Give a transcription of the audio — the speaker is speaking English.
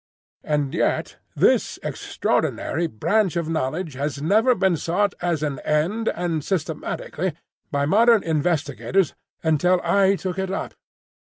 "And yet this extraordinary branch of knowledge has never been sought as an end, and systematically, by modern investigators until I took it up!